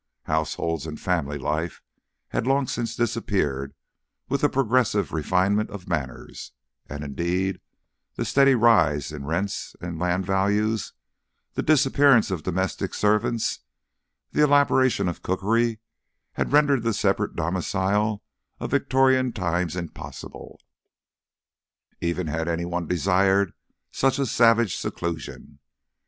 Households and family life had long since disappeared with the progressive refinement of manners; and indeed the steady rise in rents and land values, the disappearance of domestic servants, the elaboration of cookery, had rendered the separate domicile of Victorian times impossible, even had any one desired such a savage seclusion.